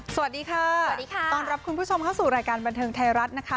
สวัสดีค่ะสวัสดีค่ะต้อนรับคุณผู้ชมเข้าสู่รายการบันเทิงไทยรัฐนะคะ